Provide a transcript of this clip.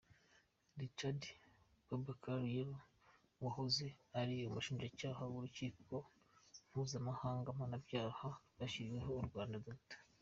Richard, Bubacar Jallow, wahoze ari Umushinjacyaha w’Urukiko Mpuzamahanga Mpanabyaha rwashyiriweho u Rwanda, Dr.